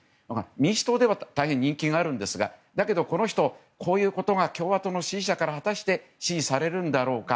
民主党では大変人気があるんですがだけど、この人、支持者から果たして支持されるんだろうか。